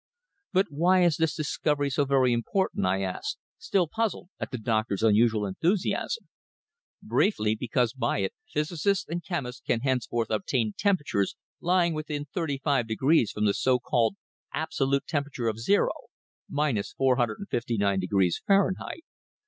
"But why is the discovery so very important?" I asked, still puzzled at the doctor's unusual enthusiasm. "Briefly, because by it physicists and chemists can henceforward obtain temperatures lying within thirty five degrees from the so called absolute zero of temperature minus 459 degrees Fahrenheit.